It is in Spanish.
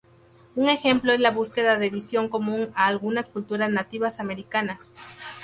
Un ejemplo es la búsqueda de visión común a algunas culturas nativas americanas.